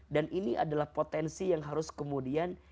dan ini adalah potensi yang harus kemudian